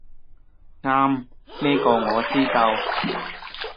啱，呢個我知道